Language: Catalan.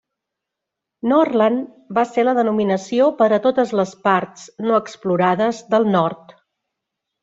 Norrland va ser la denominació per a totes les parts no explorades del nord.